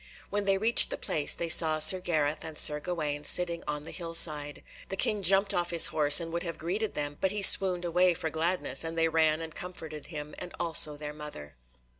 When they reached the place they saw Sir Gareth and Sir Gawaine sitting on the hill side. The King jumped off his horse, and would have greeted them, but he swooned away for gladness, and they ran and comforted him, and also their mother.